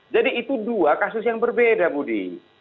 jadi itu dua kasus yang berbeda budi